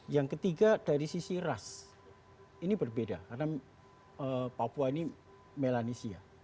yang ketiga dari sisi ras ini berbeda karena papua ini melanesia